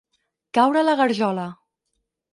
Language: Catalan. Caure a la garjola.